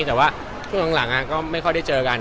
แต่ว่าช่วงหลังก็ไม่ค่อยได้เจอกัน